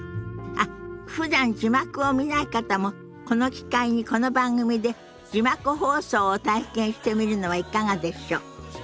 あっふだん字幕を見ない方もこの機会にこの番組で字幕放送を体験してみるのはいかがでしょ。